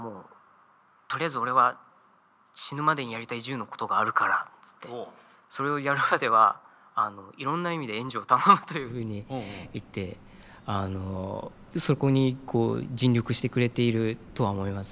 とりあえず俺は死ぬまでにやりたい１０のことがあるからってそれをやるまではいろんな意味で援助を頼むというふうに言ってそこに尽力してくれているとは思います。